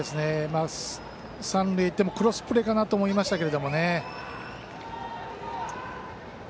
三塁いってもクロスプレーかなと思いましたが。